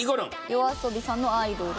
ＹＯＡＳＯＢＩさんの『アイドル』。